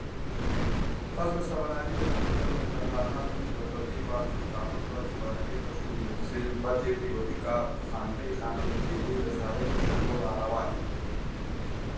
Also represented are plastic and metal products.